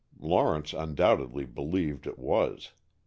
Lawrence undoubtedly believed it was.